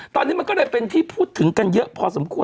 ตอนนี้มันก็เลยเป็นที่พูดถึงกันเยอะพอสมควร